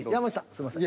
すいません。